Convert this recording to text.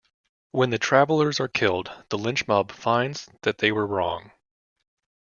When the travelers are killed, the lynch mob finds that they were wrong.